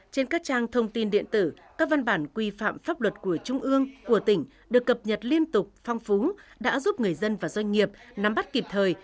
trên các trang thông tin điện tử các văn bản quy phạm pháp luật của trung ương của tỉnh được cập nhật liên tục phong phú đã giúp người dân và doanh nghiệp nắm bắt kịp thời